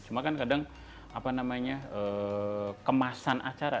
cuma kan kadang apa namanya kemasan acara